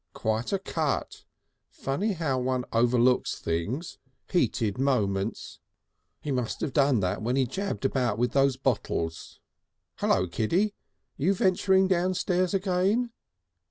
"Quite a cut! Funny how one overlooks things! Heated moments! He must have done that when he jabbed about with those bottles. Hullo, Kiddy! You venturing downstairs again?"